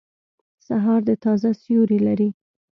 سهار د تازه سیوری لري.